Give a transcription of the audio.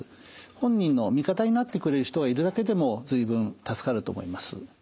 本人の味方になってくれる人がいるだけでも随分助かると思います。